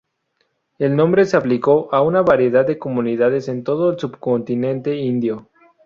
El nombre se aplicó a una variedad de comunidades en todo el subcontinente indio.